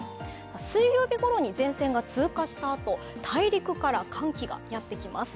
水曜日ごろに前線が追加したあと大陸から寒気がやってきます。